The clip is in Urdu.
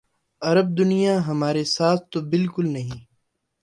عرب دنیا ہمارے ساتھ تو بالکل نہیں۔